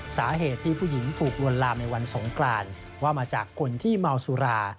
สาเหตุที่ผู้หญิงถูกลวนลามในวันสงกรานว่ามาจากคนที่เมาสุรา